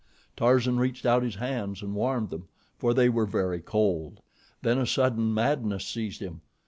Tarzan reached out his hands and warmed them, for they were very cold. Then a sudden madness seized him.